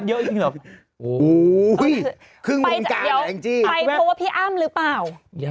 เยอะจริงหรอโอ้ยครึ่งถึงหรอกหลังจิพีอ้ำหรือเปล่ามัน